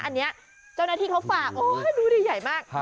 อันนี้เจ้าหน้าที่เขาฝากโอ้ยดูดิใหญ่มาก